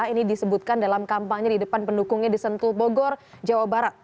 ini disebutkan dalam kampanye di depan pendukungnya di sentul bogor jawa barat